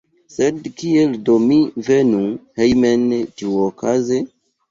Sed kiel do mi venu hejmen tiuokaze?